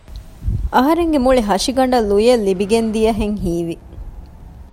އަހަރެންގެ މުޅި ހަށިގަނޑަށް ލުޔެއް ލިބިގެންދިޔަހެން ހީވި